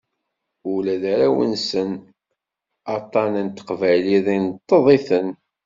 Ula d arraw-nsen, aṭṭan n teqbaylit inṭeḍ-iten.